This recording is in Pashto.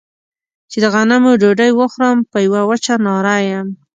چې د غنمو ډوډۍ وخورم په يوه وچه ناره يم.